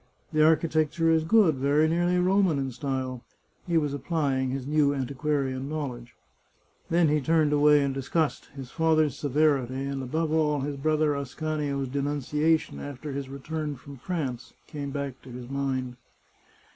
" The architecture is good ; very nearly Roman in style." He was applying his new an tiquarian knowledge. Then he turned away in disgust — his father's severity and, above all, his brother Ascanio's de nunciation after his return from France, came back to his mind.